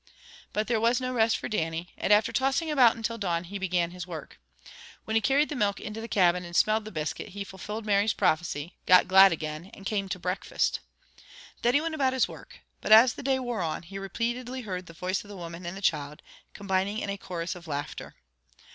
But there was no rest for Dannie, and after tossing about until dawn he began his work. When he carried the milk into the cabin, and smelled the biscuit, he fulfilled Mary's prophecy, got glad again, and came to breakfast. Then he went about his work. But as the day wore on, he repeatedly heard the voice of the woman and the child, combining in a chorus of laughter.